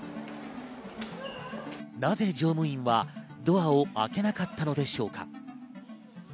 なぜ乗務員はドアを開けなかったのでしょうか。